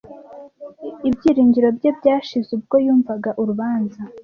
Ibyiringiro bye byashize ubwo yumvaga urubanza.